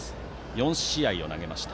４試合を投げました。